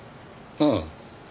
ああ。